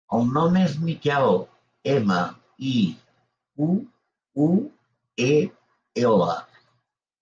El nom és Miquel: ema, i, cu, u, e, ela.